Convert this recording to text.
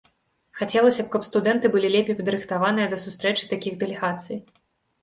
Хацелася б, каб студэнты былі лепей падрыхтаваныя да сустрэчы такіх дэлегацый.